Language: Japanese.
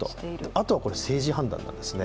あとは政治判断なんですね。